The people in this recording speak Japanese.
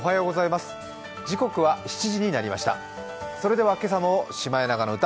それでは今朝の「シマエナガの歌」